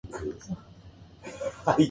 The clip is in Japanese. マクドナルドとロッテリア